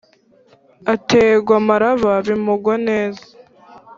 Ategwa amaraba bimugwa neza